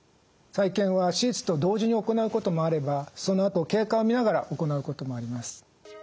再建は手術と同時に行うこともあればそのあと経過を見ながら行うこともあります。